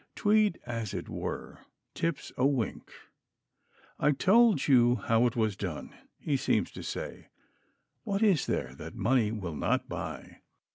Tweed, as it were, tips a wink. I told you how it was done, he seems to say: what is there that money will not buy?